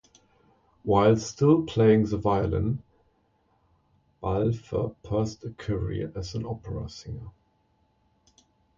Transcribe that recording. While still playing the violin, Balfe pursued a career as an opera singer.